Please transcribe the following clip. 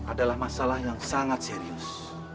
adalah masalah yang sangat serius